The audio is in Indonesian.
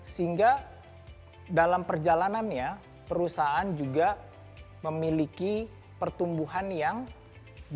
sehingga dalam perjalanannya perusahaan juga memiliki pertumbuhan yang tinggi